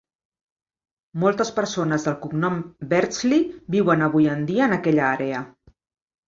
Moltes persones del cognom Beardsley viuen avui en dia en aquella àrea.